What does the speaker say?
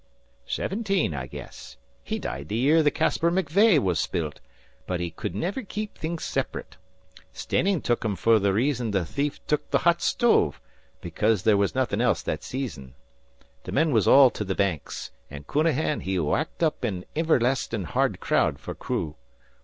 "Seventeen, I guess. He died the year the Caspar McVeagh was built; but he could niver keep things sep'rate. Steyning tuk him fer the reason the thief tuk the hot stove bekaze there was nothin' else that season. The men was all to the Banks, and Counahan he whacked up an iverlastin' hard crowd fer crew.